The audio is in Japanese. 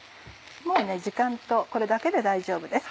もうね時間とこれだけで大丈夫です。